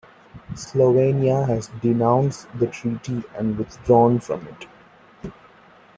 Slovenia has denounced the treaty and withdrawn from it.